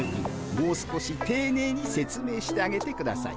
もう少していねいに説明してあげてください。